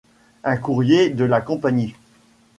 Un courrier de la Compagnie.